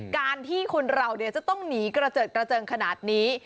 การที่คนเราจะต้องหนีกระเจิดกระเจิงขนาดนี้